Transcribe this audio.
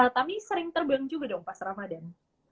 tam nih sering terbang juga dong pas ramadan